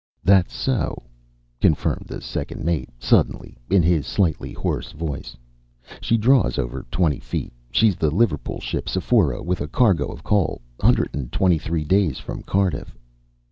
"That's so," confirmed the second mate, suddenly, in his slightly hoarse voice. "She draws over twenty feet. She's the Liverpool ship Sephora with a cargo of coal. Hundred and twenty three days from Cardiff."